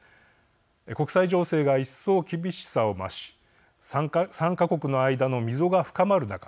国際情勢がいっそう厳しさを増し参加国の間の溝が深まる中